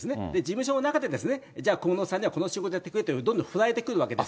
事務所の中で、じゃあ、小室さんにはこの仕事やってくれと、どんどん振られてくるわけです。